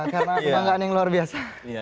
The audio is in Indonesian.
karena kebanggaan yang luar biasa